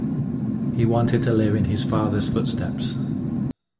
He wanted to live in his father's footsteps.